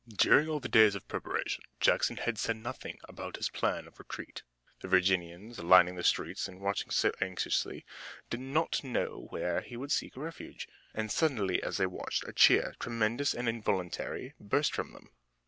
During all the days of preparation Jackson had said nothing about his plan of retreat. The Virginians, lining the streets and watching so anxiously, did not know where he would seek refuge. And suddenly as they watched, a cheer, tremendous and involuntary, burst from them.